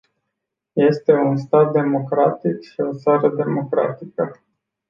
Este un stat democratic și o țară democratică.